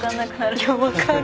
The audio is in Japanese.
いや分かる。